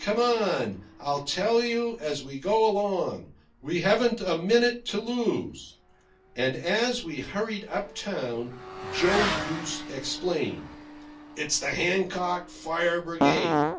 "Come on. I'll tell you as we go along. We haven't a minute to lose." And as we hurried up town, Joe Goose explained: "It's the Hancock Fire Brigade.